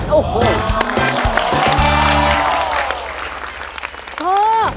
โอ้โห